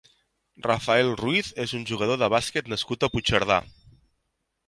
Raphaël Ruiz és un jugador de bàsquet nascut a Puigcerdà.